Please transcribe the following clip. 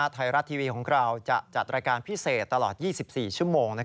ไทยรัฐทีวีของเราจะจัดรายการพิเศษตลอด๒๔ชั่วโมง